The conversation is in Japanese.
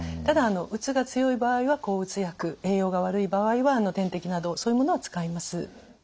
ただうつが強い場合は抗うつ薬栄養が悪い場合は点滴などそういうものは使います。